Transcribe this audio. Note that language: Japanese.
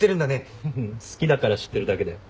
好きだから知ってるだけだよ。